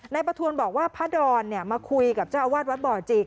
ประทวนบอกว่าพระดอนมาคุยกับเจ้าอาวาสวัดบ่อจิ